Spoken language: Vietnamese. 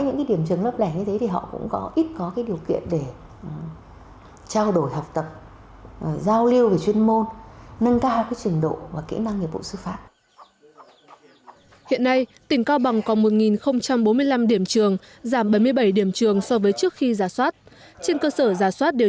nâng cao trường lớp tỉnh cao bằng có một bốn mươi năm điểm trường giảm bảy mươi bảy điểm trường so với trước khi giả soát